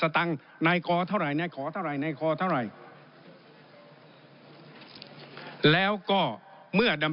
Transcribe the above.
ตรงนี้คือ